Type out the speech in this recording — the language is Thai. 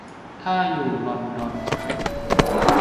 ถ้าอยู่ลอนดอน